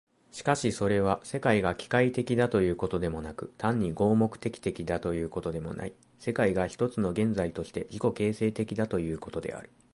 しかしそれは、世界が機械的だということでもなく、単に合目的的だということでもない、世界が一つの現在として自己形成的だということである。